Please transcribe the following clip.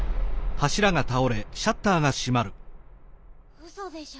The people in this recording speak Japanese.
うそでしょ？